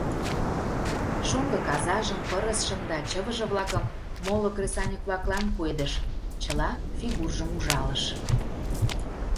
Шоҥго казажым, пырысшым да чывыже-влакым моло кресаньык-влаклан пуэдыш, чыла фигуржым ужалыш.